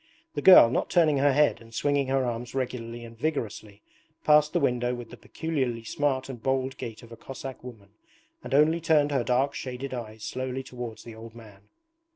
The girl, not turning her head and swinging her arms regularly and vigorously, passed the window with the peculiarly smart and bold gait of a Cossack woman and only turned her dark shaded eyes slowly towards the old man.